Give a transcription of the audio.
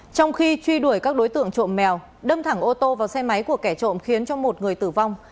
trong khi truy đuổi các đối tượng trộm mèo đâm thẳng ô tô vào xe máy của kẻ trộm khiến cho một người tử vong